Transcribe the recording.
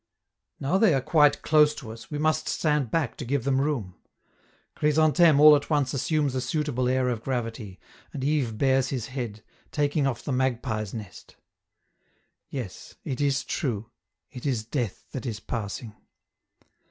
Now they are quite close to us, we must stand back to give them room. Chrysantheme all at once assumes a suitable air of gravity, and Yves bares his head, taking off the magpie's nest. Yes, it is true, it is death that is passing!